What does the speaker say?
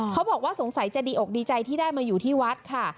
เขาบอกว่าสงสัยจะดีอกดีใจที่ได้มาอยู่ที่วัดค่ะ